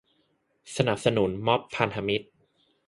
สนับสนุนม็อบพันธมิตร